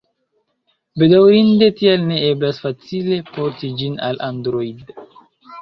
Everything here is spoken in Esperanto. Bedaŭrinde tial ne eblas facile "porti" ĝin al Android.